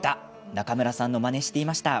中村さんのまねしていました。